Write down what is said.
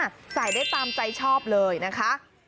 ใส่ได้ตามใจชอบเลยนะคะ